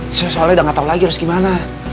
soalnya udah gak tau lagi harus gimana